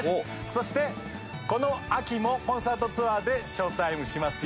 そしてこの秋もコンサートツアーでショータイムしますよ。